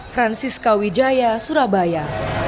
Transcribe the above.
francis kawijaya surabaya